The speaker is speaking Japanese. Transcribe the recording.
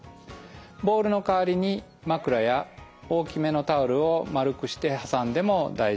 ボールの代わりに枕や大きめのタオルを丸くしてはさんでも大丈夫です。